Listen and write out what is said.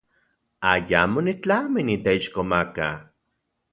Ayamo nitlami niteixkomaka.